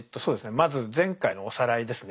まず前回のおさらいですね。